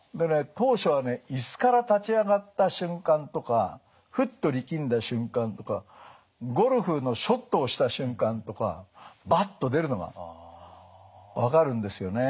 当初はね椅子から立ち上がった瞬間とかふっと力んだ瞬間とかゴルフのショットをした瞬間とかバッと出るのが分かるんですよね。